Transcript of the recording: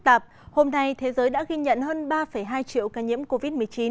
tạp hôm nay thế giới đã ghi nhận hơn ba hai triệu ca nhiễm covid một mươi chín